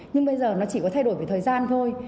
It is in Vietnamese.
nhưng bây giờ nó chỉ có thay đổi về thời gian thôi